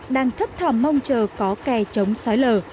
đang thấp thỏm mong chờ có kè chống sói lở